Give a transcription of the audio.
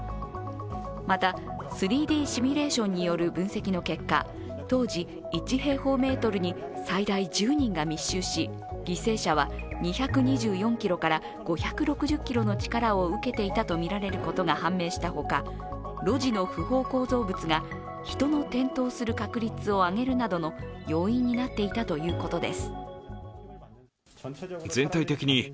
また、３Ｄシミュレーションによる分析の結果、当時、１平方メートルに最大１０人が密集し犠牲者は２２４ｋｇから５６０ｋｇの力を受けていたとみられることが判明したほか、路地の不法構造物が人の転倒する確率を上げるなどの要因になっていたということです。